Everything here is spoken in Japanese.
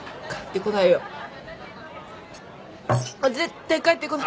もう絶対帰ってこない。